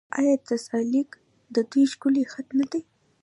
آیا نستعلیق د دوی ښکلی خط نه دی؟